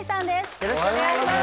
よろしくお願いします